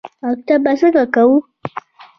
_مکتب به څنګه کوې؟